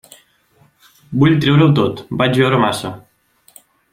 Vull treure-ho tot: vaig beure massa.